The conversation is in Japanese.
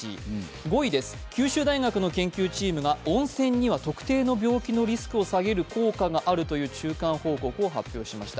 ５位、九州大学の研究チームが温泉には特定の病気のリスクを下げる効果があるという中間報告を発表しました。